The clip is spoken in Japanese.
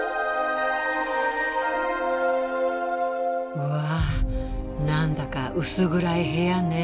うわ何だか薄暗い部屋ね。